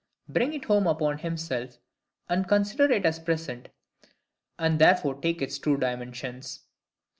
bring it home upon himself, and consider it as present, and there take its true dimensions?